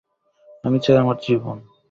আমি চাই আমার জীবন।